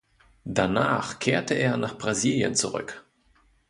Danach kehrte er nach Brasilien zurück.